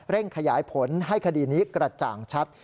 ขยายผลให้คดีนี้กระจ่างชัด